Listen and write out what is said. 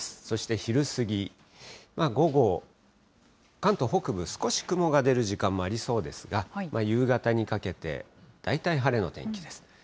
そして昼過ぎ、午後、関東北部、少し雲が出る時間もありそうですが、夕方にかけて、大体晴れの天気です。